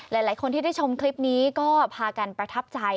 หลายคนที่ได้ชมคลิปนี้ก็พากันประทับใจ